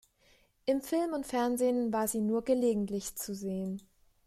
Im Film und Fernsehen war sie nur gelegentlich zu sehen.